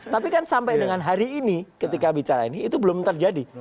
tapi kan sampai dengan hari ini ketika bicara ini itu belum terjadi